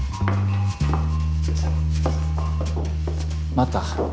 待った？